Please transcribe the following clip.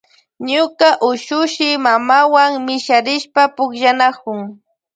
Ñuka ushushi mamawan misharishpa pukllanakun.